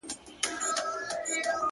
o ما څوځلي د لاس په زور کي يار مات کړی دی ـ